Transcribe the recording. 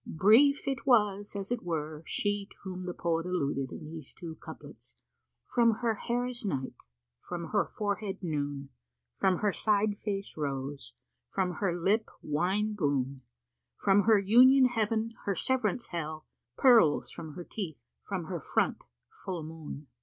Brief it was as it were she to whom the poet alluded in these two couplets, "From her hair is Night, from her forehead Noon * From her side face Rose; from her lip wine boon: From her Union Heaven, her Severance Hell: * Pearls from her teeth; from her front full Moon."